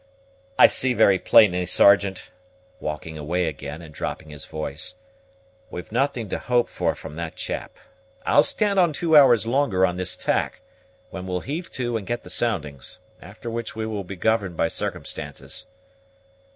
I see very plainly, Sergeant," walking away again, and dropping his voice, "we've nothing to hope for from that chap. I'll stand on two hours longer on this tack, when we'll heave to and get the soundings, after which we will be governed by circumstances."